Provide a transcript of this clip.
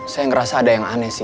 saya ngerasa ada yang aneh sih